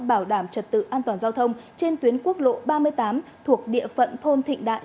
bảo đảm trật tự an toàn giao thông trên tuyến quốc lộ ba mươi tám thuộc địa phận thôn thịnh đại